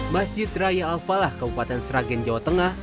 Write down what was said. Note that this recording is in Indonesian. masjid raya al falah kabupaten sragen jawa tengah